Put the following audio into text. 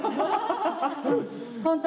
本当。